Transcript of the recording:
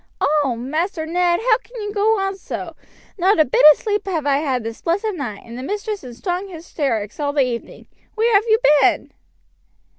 "Oh! Master Ned, how can you go on so? Not a bit of sleep have I had this blessed night, and the mistress in strong hystrikes all the evening. Where have you been?"